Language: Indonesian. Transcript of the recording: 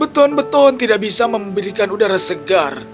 beton beton tidak bisa memberikan udara segar